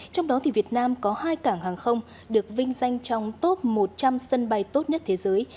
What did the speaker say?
trong đó thì việt nam có hai cảng hàng không được vinh danh trong top một trăm linh sân bay tốt nhất thế giới